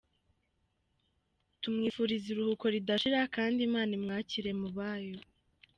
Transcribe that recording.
rw tumwifuriza iruhuko ridashira kandi Imana imwakire mubayo.